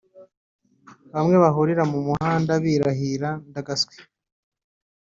bamwe bahurira mu muhanda birahira « Ndagaswi »